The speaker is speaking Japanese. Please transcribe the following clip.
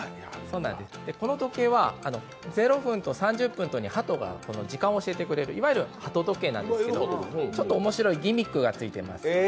この時計は、０分と３０分とに鳩が時間をお知らせしてくれるいわゆる鳩時計なんですけどちょっと面白いギミックがついています。